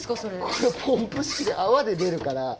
これポンプ式で泡で出るから。